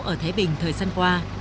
ở thế bình thời gian qua